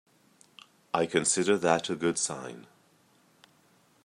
I consider that a good sign.